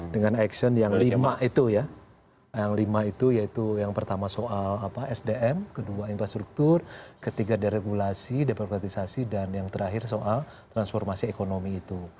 dengan action yang lima itu ya yang lima itu yaitu yang pertama soal sdm kedua infrastruktur ketiga deregulasi demokratisasi dan yang terakhir soal transformasi ekonomi itu